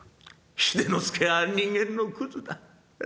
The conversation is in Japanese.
秀之助は人間のクズだ。